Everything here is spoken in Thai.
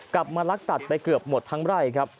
กลับมาลักตัดไปเกือบหมดทั้งไร่ครับ